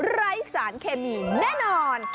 ไร้สารเคมีแน่นอน